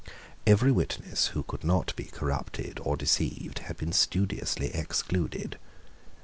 Every witness who could not be corrupted or deceived had been studiously excluded.